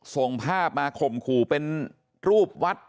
ส่งภาพมาข่มขู่เป็นรูปวัด